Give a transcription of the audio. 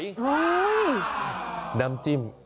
เฮ้ยน้ำจิ้ม